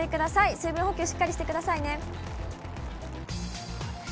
水分補給しっかりしてくださいね。